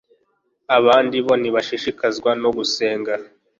abandi bo ntibashishikazwa no gusenga